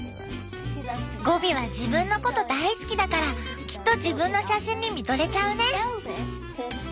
ゴビは自分のこと大好きだからきっと自分の写真に見とれちゃうね。